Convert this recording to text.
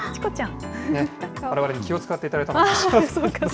われわれに気を遣っていただいたのかしら。